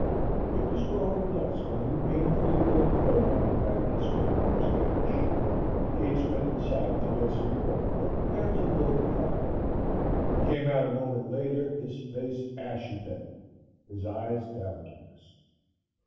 It was growing dusk when we painfully pulled the boat on the bank at Swiftwater's cache. Gates went inside to get some grub and prepared to build a fire. He came out a moment later, his face ashy pale, his eyes downcast.